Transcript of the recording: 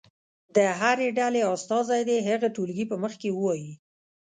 د هرې ډلې استازی دې هغه ټولګي په مخ کې ووایي.